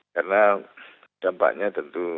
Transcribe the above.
karena dampaknya tentu